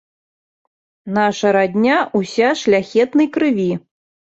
Наша радня ўся шляхетнай крыві.